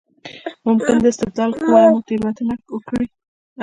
ممکن د استدلال قوه مو تېروتنه وکړي.